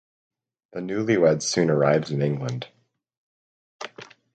The newly weds soon arrived in England.